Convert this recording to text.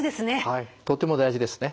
はいとても大事ですね。